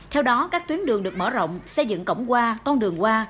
theo đó các tuyến đường được mở rộng xây dựng cổng qua ton đường qua